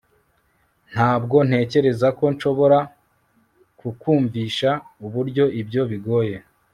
ntabwo ntekereza ko nshobora kukwumvisha uburyo ibyo bigoye